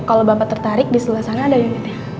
kalau bapak tertarik diseluruh sana ada unitnya